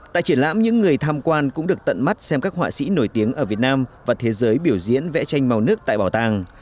tại triển lãm những người tham quan cũng được tận mắt xem các họa sĩ nổi tiếng ở việt nam và thế giới biểu diễn vẽ tranh màu nước tại bảo tàng